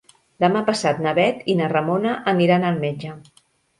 Demà passat na Bet i na Ramona aniran al metge.